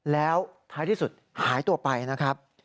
แล้วท้ายที่สุดหายตัวไปนะครับ